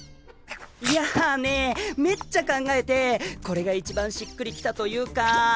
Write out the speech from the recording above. いやぁねめっちゃ考えてこれがいちばんしっくりきたというかぁ。